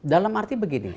dalam arti begini